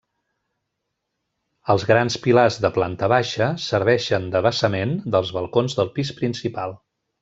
Els grans pilars de planta baixa serveixen de basament dels balcons del pis principal.